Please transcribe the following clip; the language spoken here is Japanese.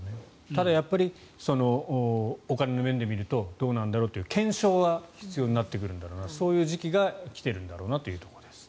ただ、お金の面で見るとどうなんだろうという検証は必要になってくるんだろうなというそういう時期が来ているんだろうなというところです。